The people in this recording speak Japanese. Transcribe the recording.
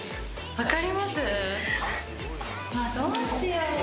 分かります？